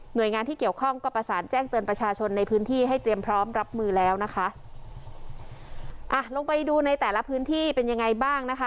โดยงานที่เกี่ยวข้องก็ประสานแจ้งเตือนประชาชนในพื้นที่ให้เตรียมพร้อมรับมือแล้วนะคะอ่าลงไปดูในแต่ละพื้นที่เป็นยังไงบ้างนะคะ